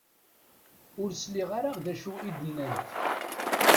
Ur sliɣ ara d acu i d-nnant